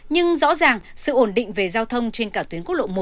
nhưng rõ ràng sự ổn định về giao thông trên cả tuyến quốc lộ một